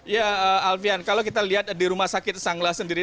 ya alfian kalau kita lihat di rumah sakit sanglah sendiri